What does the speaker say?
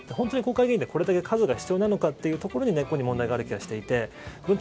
本当に国会議員ってこれだけ数が必要なのかというところに根っこに問題がある気がしていて。